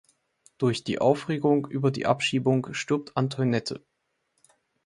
Durch die Aufregung über die Abschiebung stirbt Antoinette.